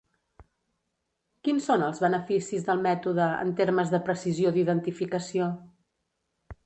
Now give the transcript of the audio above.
Quins són els beneficis del mètode en termes de precisió d'identificació?